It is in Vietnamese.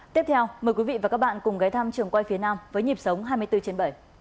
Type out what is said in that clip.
tiếp theo mời quý vị và các bạn cùng ghé thăm trường quay phía nam với nhịp sống hai mươi bốn trên bảy